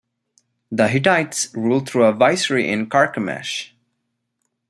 The Hittites ruled through a viceroy in Carchemish.